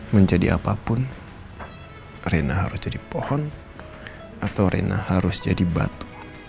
menjadi apapun rena harus jadi pohon atau rena harus jadi batu